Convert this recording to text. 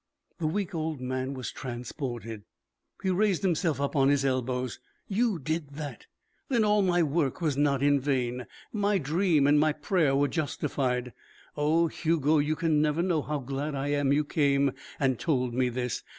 The weak old man was transported. He raised himself up on his elbows. "You did that! Then all my work was not in vain. My dream and my prayer were justified! Oh, Hugo, you can never know how glad I am you came and told me this.